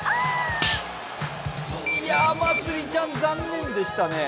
いやー、まつりちゃん、残念でしたね。